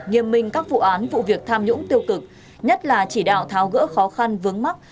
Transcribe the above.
nghiêm minh các vụ án vụ việc tham nhũng tiêu cực nhất là chỉ đạo tháo gỡ khó khăn vướng mắt